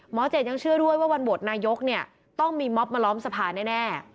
เจดยังเชื่อด้วยว่าวันโหวตนายกเนี่ยต้องมีม็อบมาล้อมสภาแน่